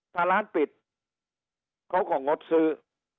ถ้าร้านปิดเขาก็งดซื้อ